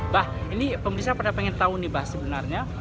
bah ini pemerintah pada pengen tahu nih bah sebenarnya